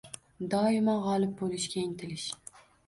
Doimo g‘olib bo‘lishga intilish.